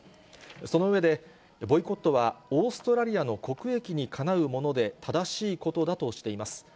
その上で、ボイコットはオーストラリアの国益にかなうもので正しいことだとしています。